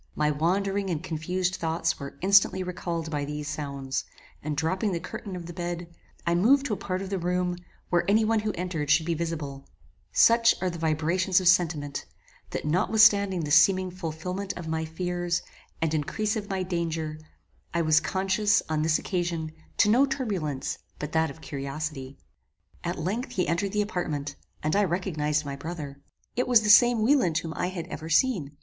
My wandering and confused thoughts were instantly recalled by these sounds, and dropping the curtain of the bed, I moved to a part of the room where any one who entered should be visible; such are the vibrations of sentiment, that notwithstanding the seeming fulfilment of my fears, and increase of my danger, I was conscious, on this occasion, to no turbulence but that of curiosity. At length he entered the apartment, and I recognized my brother. It was the same Wieland whom I had ever seen.